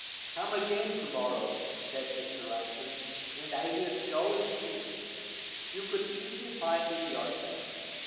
"Come again to morrow," said Mr. Rushten, "and I will shew it to you. You could easily find it yourself.